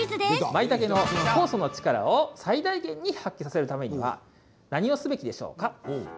まいたけの酵素の力を最大限に発揮させるためには何をすべきでしょうか？